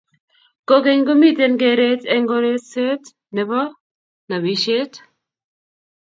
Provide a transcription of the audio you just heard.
kogeny komiten geret eng konekseet nebo nabishet